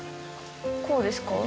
こうですか？